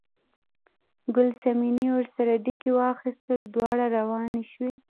ګل صنمې ورسره ډکي واخیستل، دواړه روانې شوې.